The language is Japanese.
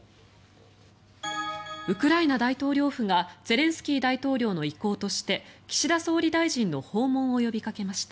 ウクライナ大統領府がゼレンスキー大統領の意向として岸田総理大臣の訪問を呼びかけました。